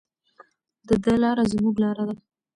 د ده لاره زموږ لاره ده.